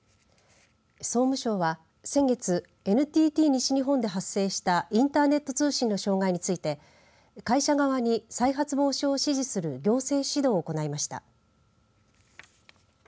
総務省は先月ＮＴＴ西日本で発生したインターネット通信の障害について会社側に再発防止を指示する行政指導を行いました。